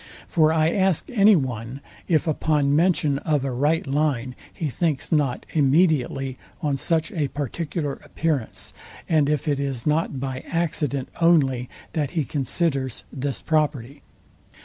For I ask any one, if upon mention of a right line he thinks not immediately on such a particular appearance, and if it is not by accident only that he considers this property?